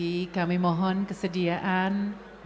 ini boleh gue baca ini